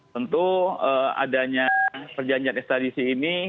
tentu adanya perjanjian ekstradisi ini